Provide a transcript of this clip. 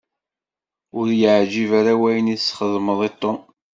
Ur y-iεǧib ara wayen i s-txedmeḍ i Tom.